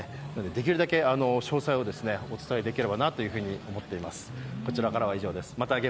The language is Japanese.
できるだけ詳細をお伝えできればなというふうに思っております。